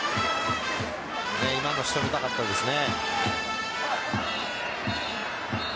今の仕留めたかったですね。